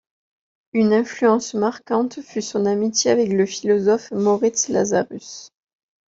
Une influence marquante fut son amitié avec le philosophe Moritz Lazarus.